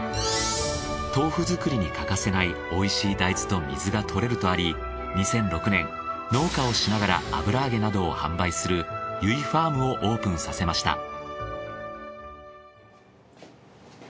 豆腐作りに欠かせないおいしい大豆と水がとれるとあり２００６年農家をしながら油揚げなどを販売するゆいファームをオープンさせました。